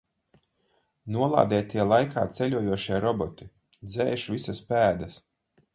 Nolādētie laikā ceļojošie roboti dzēš visas pēdas.